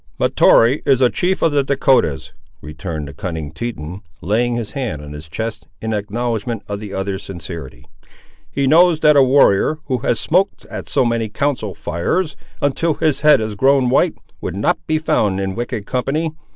"Mahtoree is a chief of the Dahcotahs," returned the cunning Teton, laying his hand on his chest, in acknowledgment of the other's sincerity. "He knows that a warrior, who has smoked at so many council fires, until his head has grown white, would not be found in wicked company.